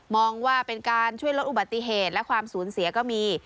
ว่าเป็นการช่วยลดอุบัติเหตุและความสูญเสียก็มี